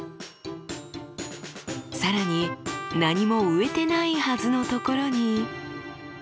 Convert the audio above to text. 更に何も植えてないはずのところに。